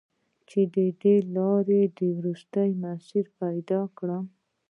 چې د دې لارو، وروستی مسیر پیدا کړم